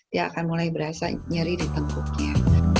dia akan mulai berasa nyeri di tengkuknya